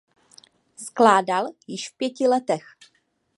Skládal již v pěti letech.